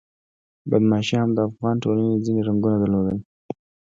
بدماشي هم د افغان ټولنې ځینې رنګونه درلودل.